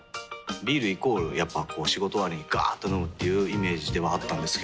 ビールイコールやっぱこう仕事終わりにガーっと飲むっていうイメージではあったんですけど。